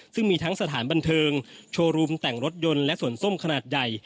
ซึ่งมีทั้งสถานบันเทิงโชว์รูมแต่งรถยนต์และสวนส้มขนาดใหญ่